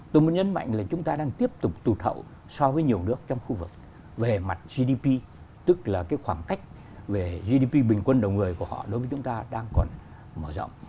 tôi muốn nhấn mạnh là chúng ta đang tiếp tục tụt hậu so với nhiều nước trong khu vực về mặt gdp tức là cái khoảng cách về gdp bình quân đầu người của họ đối với chúng ta đang còn mở rộng